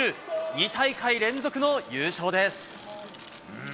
２大会連続の優勝です。